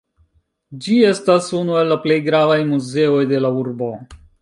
Ĝi estas unu el la plej gravaj muzeoj de la urbo.